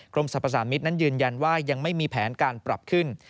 กรมสรรพสามิตรนั้นยืนยันว่ายังไม่มีแผนการปรับขึ้น